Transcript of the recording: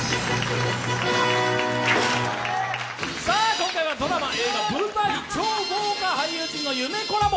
今回はドラマ、映画、舞台、超豪華俳優陣の夢コラボ。